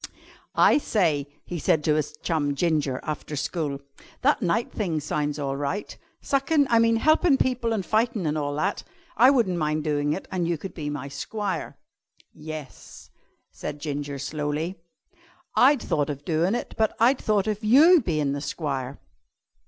"I say," he said to his chum Ginger after school, "that knight thing sounds all right. Suckin' I mean helpin' people an' fightin' an' all that. I wun't mind doin' it an' you could be my squire." "Yes," said Ginger slowly, "I'd thought of doin' it, but I'd thought of you bein' the squire."